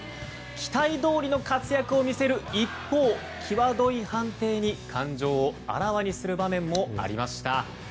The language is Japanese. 期待どおりの活躍を見せる一方際どい判定に感情をあらわにする場面もありました。